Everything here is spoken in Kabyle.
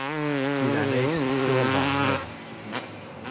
Di leɛnaya-k steqsi walebɛaḍ-nniḍen.